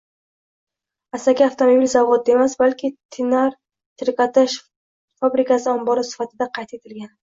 Asaka avtomobil zavodida emas, balki Dinar trikotaj fabrikasi ombori sifatida qayd etilgan.